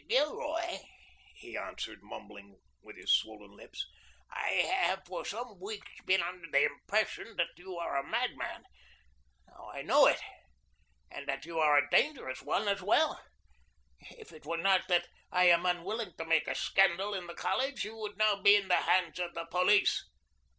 "Gilroy," he answered, mumbling with his swollen lips, "I have for some weeks been under the impression that you are a madman. Now I know it, and that you are a dangerous one as well. If it were not that I am unwilling to make a scandal in the college, you would now be in the hands of the police."